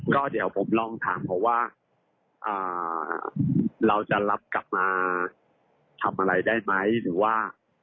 ก็เดี๋ยวผมลองถามเขาว่าเราจะรับกลับมาทำอะไรได้ไหมหรือว่า